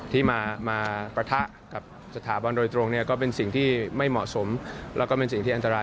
ที่มาปะทะกับสถาบันโดยตรงเนี่ยก็เป็นสิ่งที่ไม่เหมาะสมแล้วก็เป็นสิ่งที่อันตราย